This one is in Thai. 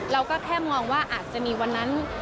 เราก็แค่มองว่าอาจจะมีวันนั้น